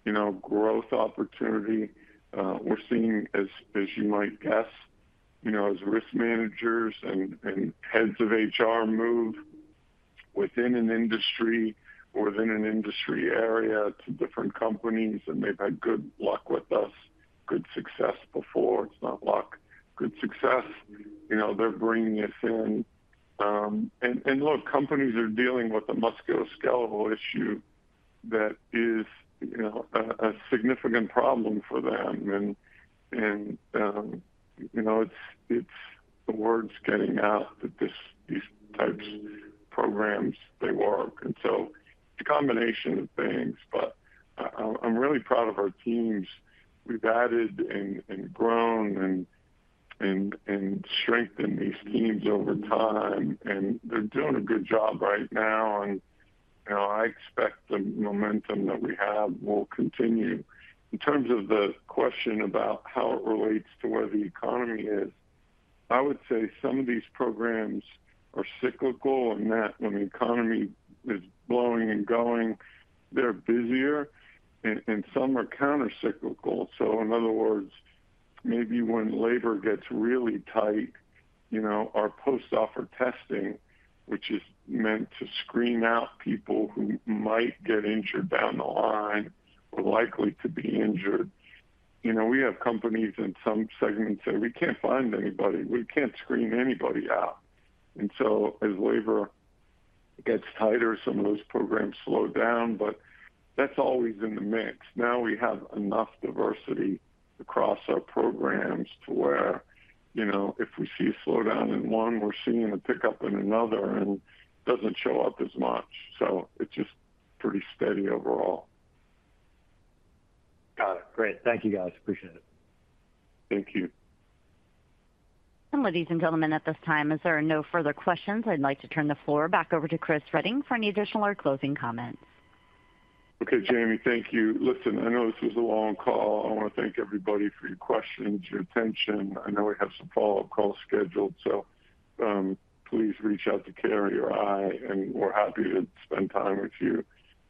you know, growth opportunity. We're seeing, as you might guess, you know, as risk managers and heads of HR move within an industry or within an industry area to different companies, and they've had good luck with us, good success before. It's not luck, good success. You know, they're bringing us in. And look, companies are dealing with a musculoskeletal issue that is, you know, a significant problem for them. And you know, it's the word's getting out that this, these types of programs, they work. And so it's a combination of things, but I'm really proud of our teams. We've added and grown and strengthened these teams over time, and they're doing a good job right now, and, you know, I expect the momentum that we have will continue. In terms of the question about how it relates to where the economy is, I would say some of these programs are cyclical in that when the economy is blowing and going, they're busier, and some are countercyclical. So in other words, maybe when labor gets really tight, you know, our post-offer testing, which is meant to screen out people who might get injured down the line or likely to be injured, you know, we have companies in some segments say: "We can't find anybody. We can't screen anybody out." And so as labor gets tighter, some of those programs slow down, but that's always in the mix. Now we have enough diversity across our programs to where, you know, if we see a slowdown in one, we're seeing a pickup in another, and it doesn't show up as much. So it's just pretty steady overall. Got it. Great. Thank you, guys. Appreciate it. Thank you. Ladies and gentlemen, at this time, as there are no further questions, I'd like to turn the floor back over to Chris Reading for any additional or closing comments. Okay, Jamie, thank you. Listen, I know this was a long call. I wanna thank everybody for your questions, your attention. I know we have some follow-up calls scheduled, so please reach out to Carey or I, and we're happy to spend time with you.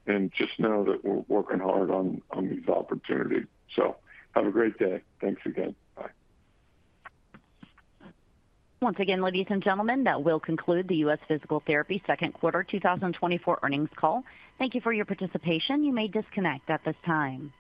And just know that we're working hard on these opportunities. So have a great day. Thanks again. Bye. Once again, ladies and gentlemen, that will conclude the U.S. Physical Therapy second quarter 2024 earnings call. Thank you for your participation. You may disconnect at this time.